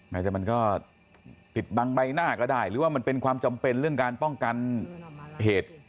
แต่มันก็ปิดบังใบหน้าก็ได้หรือว่ามันเป็นความจำเป็นเรื่องการป้องกันเหตุ